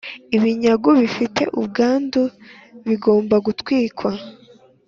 Ibinyagu bifite ubwandu bigomba gutwikwa